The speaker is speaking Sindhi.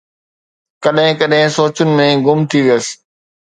ڪڏهن ڪڏهن سوچن ۾ گم ٿي ويس